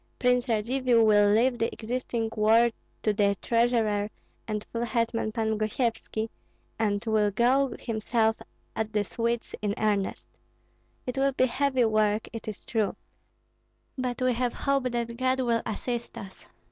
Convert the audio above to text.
Prince Radzivill will leave the existing war to the treasurer and full hetman Pan Gosyevski, and will go himself at the Swedes in earnest. It will be heavy work, it is true. But we have hope that God will assist us."